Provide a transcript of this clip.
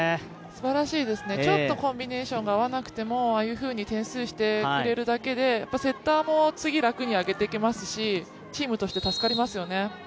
すばらしいですね、ちょっとコンビネーションが合わなくてもああいうふうに点数してくれるだけで、セッターも次、楽に上げていけますし、チームとして助かりますよね。